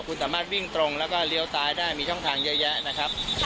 คุณสามารถวิ่งตรงแล้วก็เลี้ยวซ้ายได้มีช่องทางเยอะแยะนะครับ